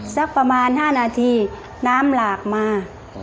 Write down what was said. สักประมาณ๕นาทีน้ำหลากมา